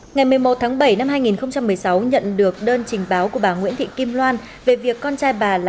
ngày một mươi một tháng bảy năm hai nghìn một mươi sáu nhận được đơn trình báo của bà nguyễn thị kim loan về việc con trai bà là